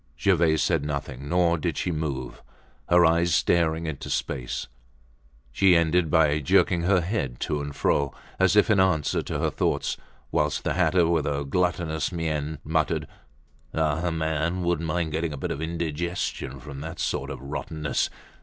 Gervaise said nothing, nor did she move; her eyes staring into space. She ended by jerking her head to and fro, as if in answer to her thoughts, whilst the hatter, with a gluttonous mien, muttered: "Ah, a man wouldn't mind getting a bit of indigestion from that sort of rottenness.